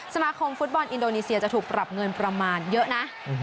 สมาคมฟุตบอลอินโดนีเซียจะถูกปรับเงินประมาณเยอะนะ